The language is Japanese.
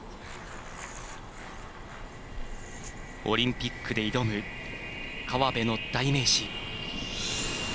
オリンピックで挑む河辺の代名詞。